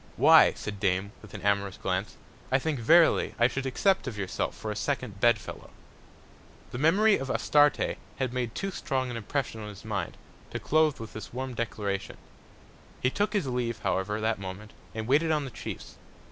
Why, said Dame, with an amorous Glance, I think verily I should accept of yourself for a second Bed fellow. The Memory of Astarte had made too strong an Impression on his Mind, to close with this warm Declaration: He took his leave, however, that Moment, and waited on the Chiefs.